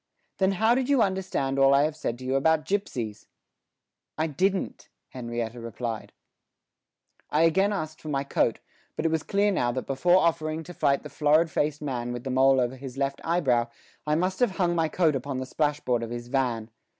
Then how did you understand all I have said to you about gipsies? Henrietta. I didn't. I again asked for my coat, but it was clear now that before offering to fight the florid faced man with the mole over his left eyebrow I must have hung my coat upon the splashboard of his van.